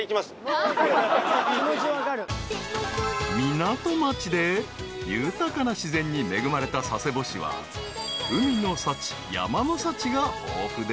［港町で豊かな自然に恵まれた佐世保市は海の幸山の幸が豊富で］